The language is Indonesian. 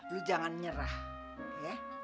lo jangan nyerah ya